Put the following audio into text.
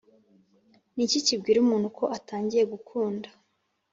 niki kibwira umuntu ko atangiye gukunda?"